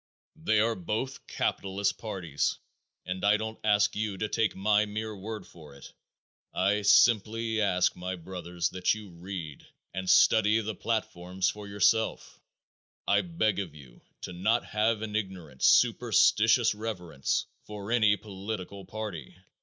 They are both capitalist parties and I don't ask you to take my mere word for it. I simply ask, my brothers, that you read and study the platforms for yourself. I beg of you not to have an ignorant, superstitious reverence for any political party.